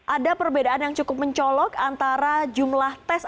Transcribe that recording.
ada perbedaan yang cukup mencolok antara jumlah tes